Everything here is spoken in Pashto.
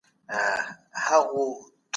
ایا د شپې پر وخت د تورو چایو چښل خوب تښتوي؟